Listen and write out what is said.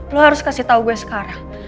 lo harus kasih tahu gue sekarang